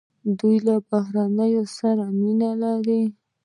دوی له بهرنیانو سره مینه لري.